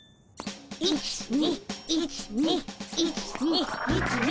１２１２１２１２。